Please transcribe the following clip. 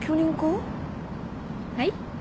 はい？